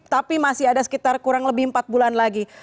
tapi masih ada sekitar kurang lebih empat bulan lagi